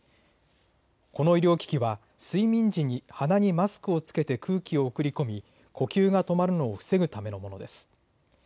この医療機器は睡眠時に鼻にマスクを着けて空気を送り込み呼吸が止まるのを防ぐためのものです。